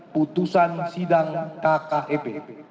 putusan sidang kkep